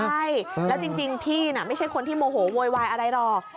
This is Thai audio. ใช่แล้วจริงพี่น่ะไม่ใช่คนที่โมโหโวยวายอะไรหรอก